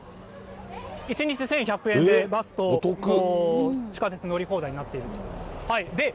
１日１１００円で、バスと地下鉄乗り放題になっているんです。